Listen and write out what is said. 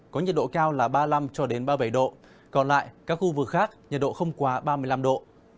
có nhật độ cao là ba mươi năm ba mươi bảy độ còn lại các khu vực khác nhật độ không quá ba mươi năm độ